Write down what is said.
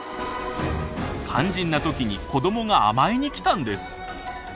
肝心な時に子どもが甘えに来たんです。